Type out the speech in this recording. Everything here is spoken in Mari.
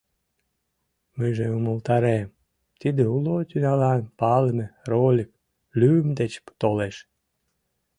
Мыйже умылтарем: тиде уло тӱнялан палыме Ролик лӱм деч толеш.